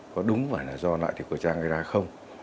có đúng hoặc do lại thì của chàng hay ra không